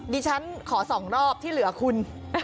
ดิฉันขอ๒รอบที่เหลือคุณ